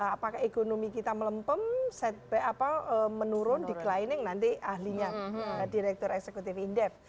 apakah ekonomi kita melempem set by apa menurun declining nanti ahlinya direktur eksekutif indep